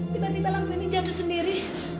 tiba tiba lampu ini jatuh sendiri